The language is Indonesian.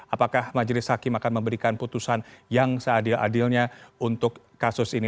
apakah majelis hakim akan memberikan putusan yang seadil adilnya untuk kasus ini